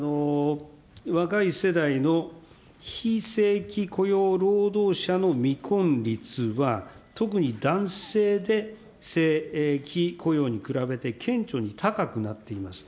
若い世代の非正規雇用労働者の未婚率は、特に男性で正規雇用に比べて顕著に高くなっています。